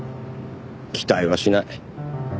期待はしない。